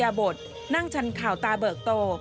และเปลี่ยนอิริยาบทนั่งฉันข่าวตาเบิกโต